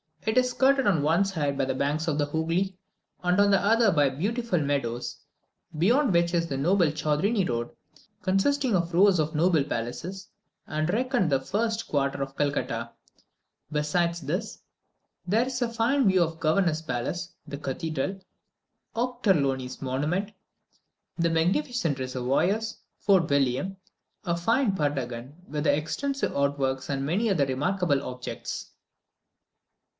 It is skirted on one side by the banks of the Hoogly, and on the other by beautiful meadows, beyond which is the noble Chaudrini Road, consisting of rows of noble palaces, and reckoned the finest quarter of Calcutta. Besides this, there is a fine view of the governor's palace, the cathedral, Ochterlony's monument, the magnificent reservoirs, Fort William, a fine prutagon with extensive outworks, and many other remarkable objects.